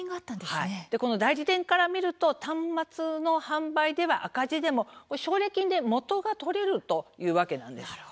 代理店から見ると端末の販売では赤字でも奨励金で元が取れるというわけなんです。